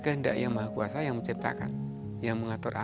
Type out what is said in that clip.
itu dah ganda yang maha kuasa yang menciptakan yang mengatur alam